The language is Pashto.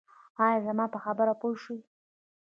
ایا زما په خبره پوه شوئ؟